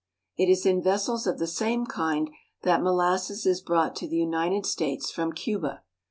It is in vessels of the same kind that molasses is brought to the United States from Cuba.